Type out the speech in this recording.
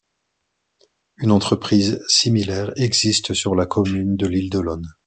Une entreprise similaire existe sur la commune de l'Île-d'Olonne.